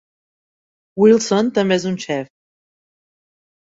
Wilson també és un xef.